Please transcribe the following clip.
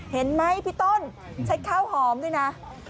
เห็นไหมพี่ต้นใช้ข้าวหอมด้วยนะ